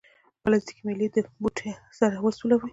پلاستیکي میله د ټوټې سره وسولوئ.